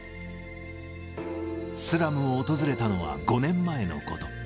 スラムを訪れたのは５年前のこと。